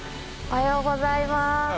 おはようございます。